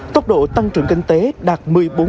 tốc độ tăng trưởng kinh tế đạt một mươi bốn